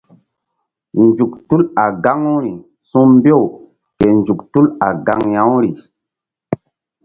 Nzuk tul a gaŋuri su̧mbew ke nzuk tul a gaŋ ya-uri.